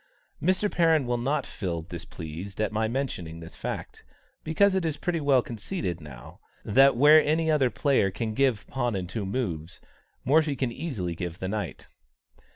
Mr. Perrin will not feel displeased at my mentioning this fact, because it is pretty well conceded now, that where any other player can give pawn and two moves, Morphy can very easily give the knight.